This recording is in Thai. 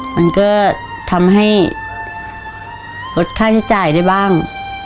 มันก็ทำให้ลดค่าใช้จ่ายได้บ้าง